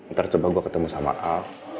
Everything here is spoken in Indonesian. ntar coba gua ketemu sama alf